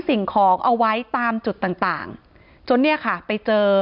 สิ่งของเอาไว้ตามจุดต่างต่างจนเนี่ยค่ะไปเจอ